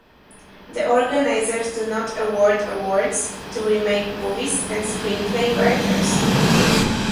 The organizers do not award awards to remake movies and screenplay writers.